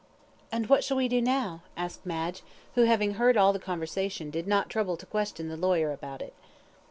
"And what shall we do now?" asked Madge, who, having heard all the conversation, did not trouble to question the lawyer about it.